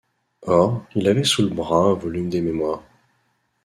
Or, il avait sous le bras un volume des mémoires